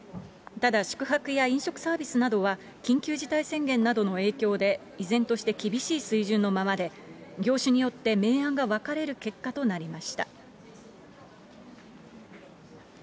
ただ、宿泊や飲食サービスなどは、緊急事態宣言などの影響で依然として厳しい水準のままで、業種によって明暗が分かれる結果となりました。